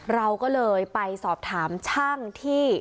เราก็เลยไปสอบถามช่างที่